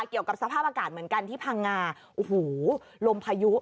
เกี่ยวกับสภาพอากาศเหมือนกันที่พังงาโอ้โหลมพายุ